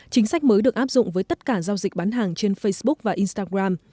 chính sách mới được áp dụng với tất cả giao dịch bán hàng trên facebook và instagram